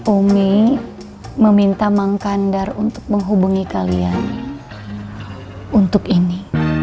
umi meminta mang kandar untuk menghubungi kalian untuk ini